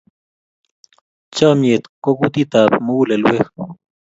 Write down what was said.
Chomnyet ko kutitab mugulelweek.